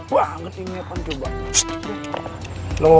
pulang dulu nanti wake up